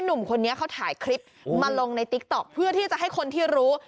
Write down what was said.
หนุ่มคนนี้เขาถ่ายคลิปมาลงในติ๊กต๊อกเพื่อที่จะให้คนที่รู้